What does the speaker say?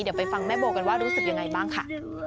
เดี๋ยวไปฟังแม่โบกันว่ารู้สึกยังไงบ้างค่ะ